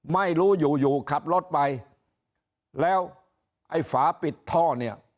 ไม่รู้อยู่อยู่ขับรถไปแล้วไอ้ฝาปิดท่อเนี่ย